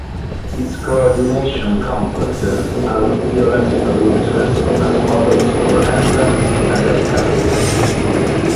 Its coordination complexes are of theoretical interest as models for enzymes and as catalysts.